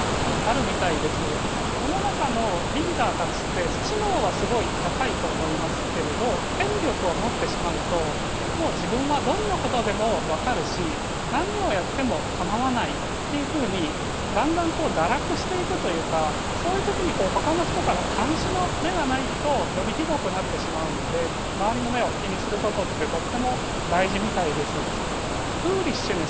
世の中のリーダーたちって知能はすごい高いと思いますけれど権力を持ってしまうともう自分はどんなことでも分かるし何をやっても構わないっていうふうにだんだん堕落していくというかそういう時にほかの人から監視の目がないとよりひどくなってしまうので周りの目を気にすることってとっても大事みたいです。